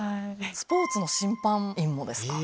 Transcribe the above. スポーツの審判員もですか？